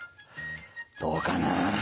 どうかなぁ？